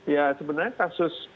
ya sebenarnya kasus kartu praktik itu